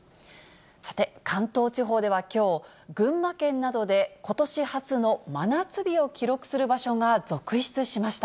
さて、関東地方ではきょう、群馬県などでことし初の真夏日を記録する場所が続出しました。